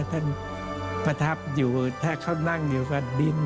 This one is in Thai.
ท่านประทับอยู่ถ้าเขานั่งอยู่กับดิน